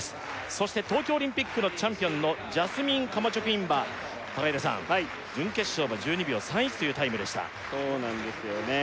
そして東京オリンピックのチャンピオンのジャスミン・カマチョクインは平さん準決勝は１２秒３１というタイムでしたそうなんですよね